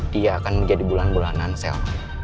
dia akan menjadi bulan bulanan sel